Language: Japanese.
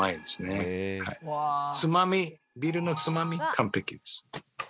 つまみビールのつまみ完璧です。